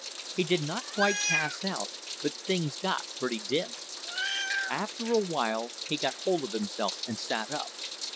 He did not quite pass out, but things got pretty dim. After a while he got hold of himself and sat up.